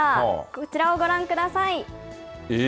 こちらをご覧ください。